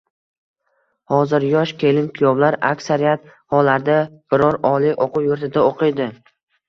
Hozir yosh kelin-kuyovlar aksariyat hollarda biror oliy oʻquv yurtida oʻqiydi